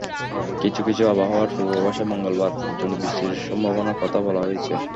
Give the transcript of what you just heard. কিছু কিছু আবহাওয়ার পূর্বাভাসে মঙ্গলবার পর্যন্ত বৃষ্টির সম্ভাবনার কথা বলা হয়েছে।